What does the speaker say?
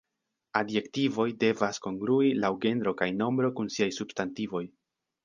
Adjektivoj devas kongrui laŭ genro kaj nombro kun siaj substantivoj.